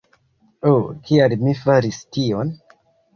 Ho kial mi faris tion?